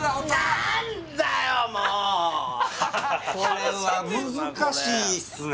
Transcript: これは難しいですね